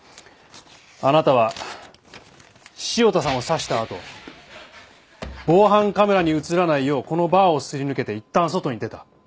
あなたは汐田さんを刺したあと防犯カメラに映らないようこのバーをすり抜けていったん外に出た。